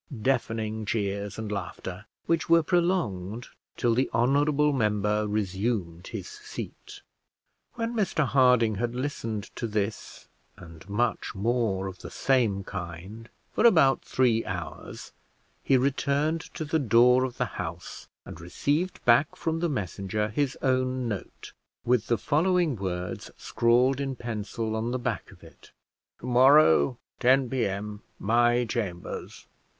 (Deafening cheers and laughter, which were prolonged till the honourable member resumed his seat.) When Mr Harding had listened to this and much more of the same kind for about three hours, he returned to the door of the House, and received back from the messenger his own note, with the following words scrawled in pencil on the back of it: "To morrow, 10 P.M. my chambers.